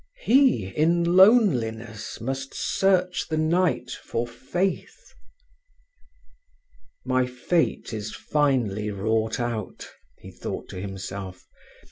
He, in loneliness, must search the night for faith. "My fate is finely wrought out," he thought to himself.